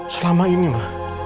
selama ini ma